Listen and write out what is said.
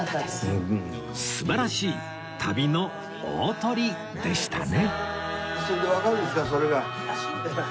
素晴らしい旅の大トリでしたね